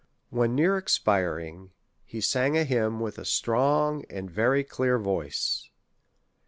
When near expiring, he sang a hymn with a strong and very clear voice.